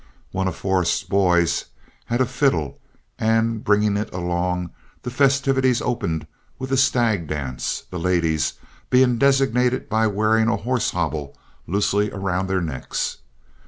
One of Forrest's boys had a fiddle, and bringing it along, the festivities opened with a stag dance, the "ladies" being designated by wearing a horse hobble loosely around their necks.